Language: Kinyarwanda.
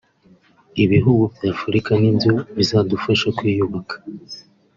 Ibihugu by’Afurika ni byo bizadufasha kwiyubaka